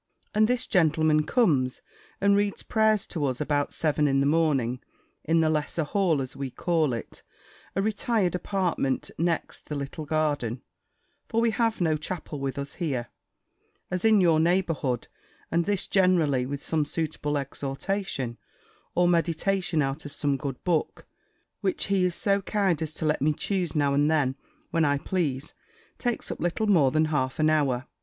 And this gentleman comes, and reads prayers to us about seven in the morning, in the lesser hall, as we call it, a retired apartment, next the little garden; for we have no chapel with us here, as in your neighbourhood; and this generally, with some suitable exhortation, or meditation out of some good book, which he is so kind as to let me choose now and then, when I please, takes up little more than half an hour.